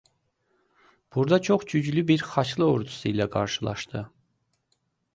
Burada çox güclü bir Xaçlı ordusu ilə qarşılaşdı.